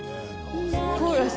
コーラス